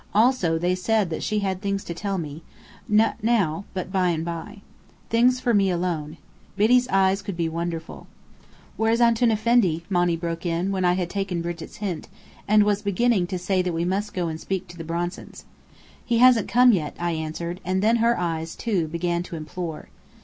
Also they said that she had things to tell me not now but by and by. Things for me alone. Biddy's eyes could be wonderful. "Where's Antoun Effendi?" Monny broke in, when I had taken Brigit's hint, and was beginning to say that we must go and speak to the Bronsons. "He hasn't come yet," I answered; and then her eyes, too, began to implore.